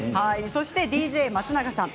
そしてＤＪ松永さん